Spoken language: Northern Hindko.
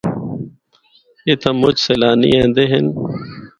اِتھا مُچ سیلانی ایندے ہن۔